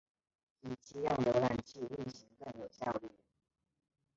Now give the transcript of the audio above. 以期让浏览器运行更有效率。